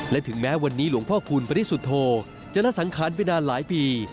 และถึงแม้วันนี้หลวงพ่อคูณปริสุทธโธจะละสังขารไปนานหลายปี